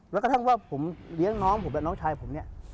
แล้วกระทั่งว่าผมเลี้ยงน้องผมแบบน้องชายผมเนี่ย